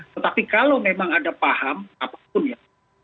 tetapi kalau memang ada paham apapun ya